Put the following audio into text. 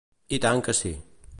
I tant que sí.